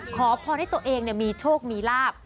ขอพรให้ตัวเองมีโชคมีลาบ